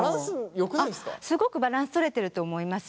すごくバランスとれてると思います。